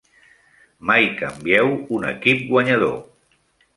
Mai canvieu un equip guanyador.